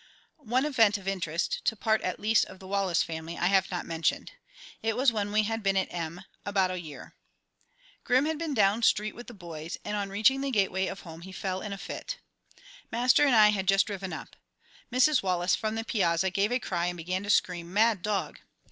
One event of interest, to part at least of the Wallace family, I have not mentioned. It was when we had been at M about a year. Grim had been down street with the boys, and on reaching the gateway of home he fell in a fit. Master and I had just driven up. Mrs. Wallace, from the piazza, gave a cry and began to scream, "Mad dog."